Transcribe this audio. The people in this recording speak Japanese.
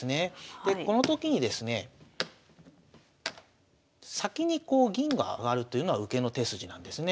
でこのときにですね先にこう銀が上がるというのは受けの手筋なんですね。